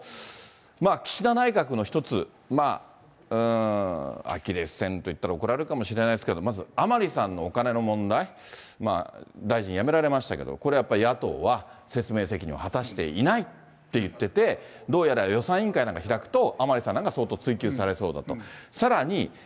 まあ、岸田内閣の一つ、アキレスけんと言ったら怒られるかもしれませんけど、まず甘利さんのお金の問題、大臣辞められましたけれども、これはやっぱり野党は説明責任を果たしていないって言ってて、どうやら予算委員会なんか開くと、甘利さんなんかが相当追及されそうだと。